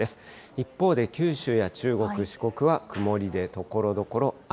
一方で九州や中国、四国は曇りで、ところどころ雨。